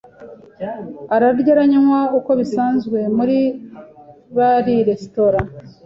ararya aranywa uko bisanzwe muri bari -resitora.